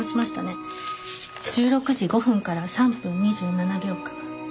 １６時５分から３分２７秒間。